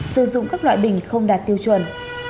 sử dụng các loại bình không đạt tiêu chuẩn